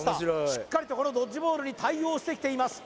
しっかりとこのドッジボールに対応してきています